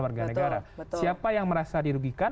warga negara siapa yang merasa dirugikan